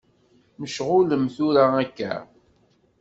Mecɣulem tura akka?